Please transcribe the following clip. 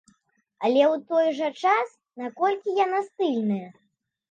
Але ў той жа час, наколькі яна стыльная?